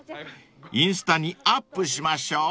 ［インスタにアップしましょう］